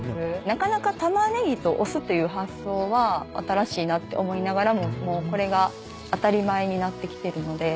なかなかタマネギとお酢っていう発想は新しいなって思いながらももうこれが当たり前になってきてるので。